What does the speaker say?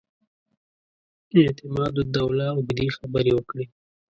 اعتماد الدوله اوږدې خبرې وکړې.